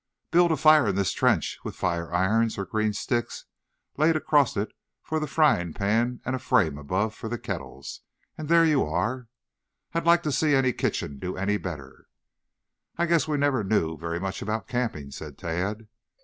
"Build a fire in this trench with fire irons or green sticks laid across it for the fryingpan and a frame above for the kettles, and there you are. I'd like to see any kitchen do any better." "I guess we never knew very much about camping," said Tad.